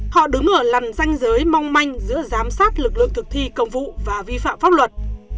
họ đứng ở lằn danh giới mong manh giữa giám sát lực lượng thực thi công vụ và vi phạm pháp luật